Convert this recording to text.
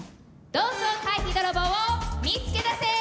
同窓会費泥棒を見つけ出せ！